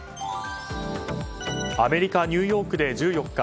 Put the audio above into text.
アメリカ・ニューヨークで１４日